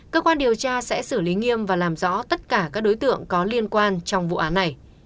cơ quan điều tra sẽ xử lý nghiêm và làm rõ tất cả các đối tượng có liên quan trong vụ án này